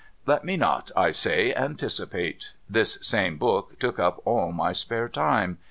Let me not, I say, anticipate. This same book took up all my spare time.